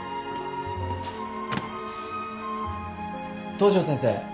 東上先生。